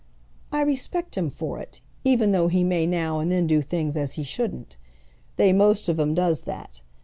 "I respect him for it, even though he may now and then do things as he shouldn't. They most of 'em does that.